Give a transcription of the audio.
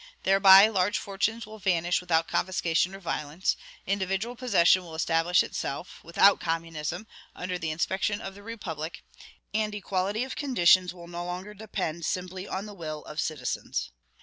Thereby large fortunes will vanish without confiscation or violence; individual possession will establish itself, without communism, under the inspection of the republic; and equality of conditions will no longer depend simply on the will of citizens.